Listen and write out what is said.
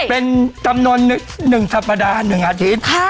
เป็นจำนวน๑สัปดาห์๑อาทิตย์